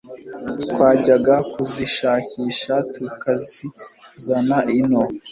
Twajyaga kuzishakisha tukazizana ino